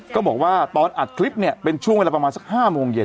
ก็บอกว่าตอนอัดคลิปเนี่ยเป็นช่วงเวลาประมาณสัก๕โมงเย็น